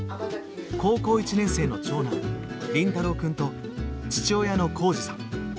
高校１年生の長男凛太郎くんと父親の絋二さん。